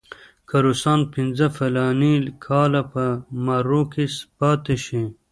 که روسان پنځه فلاني کاله په مرو کې پاتې شي.